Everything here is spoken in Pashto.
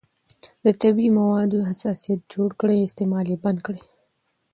که طبیعي مواد حساسیت جوړ کړي، استعمال یې بند کړئ.